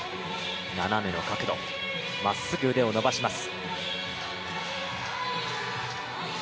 斜めの角度、まっすぐ腕を伸ばします。